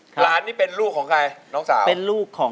เพื่อจะไปชิงรางวัลเงินล้าน